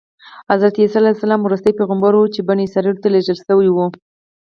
حضرت عیسی علیه السلام وروستی پیغمبر و چې بني اسرایلو ته لېږل شوی.